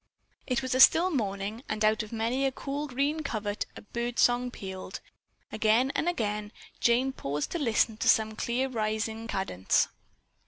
It was a still morning and out of many a cool green covert a bird song pealed. Again and again Jane paused to listen to some clear rising cadence.